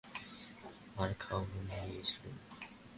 মার-খাওয়া মন নিয়ে এসেছিলুম।